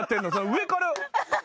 上から。